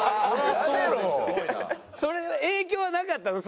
それ影響はなかったの？